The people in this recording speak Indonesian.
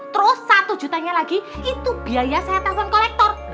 terus satu jutanya lagi itu biaya saya telepon kolektor